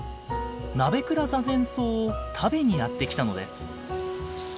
ナベクラザゼンソウを食べにやって来たのです。